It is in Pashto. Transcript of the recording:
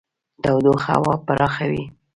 تودوخه هوا پراخوي.